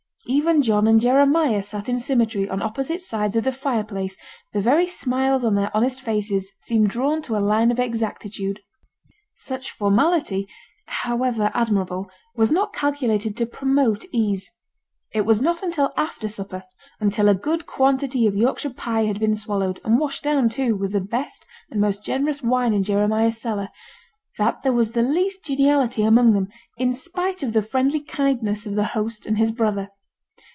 Even John and Jeremiah sat in symmetry on opposite sides of the fire place; the very smiles on their honest faces seemed drawn to a line of exactitude. Such formality, however admirable, was not calculated to promote ease: it was not until after supper until a good quantity of Yorkshire pie had been swallowed, and washed down, too, with the best and most generous wine in Jeremiah's cellar that there was the least geniality among them, in spite of the friendly kindness of the host and his brother.